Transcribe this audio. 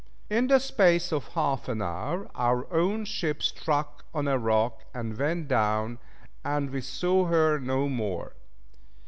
In the space of half an hour our own ship struck on a rock and went down, and we saw her no more.